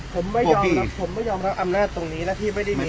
ผมไม่ยอมรับผมไม่ยอมรับอำนาจตรงนี้นะที่ไม่ได้มี